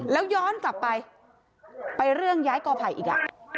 แล้วย้อนกลับไปไปเรื่องย้ายกอไผ่อีก